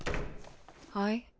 はい？